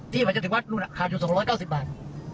ที่หมายถึงว่าขาดอยู่๒๙๐บาท